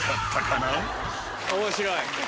面白い。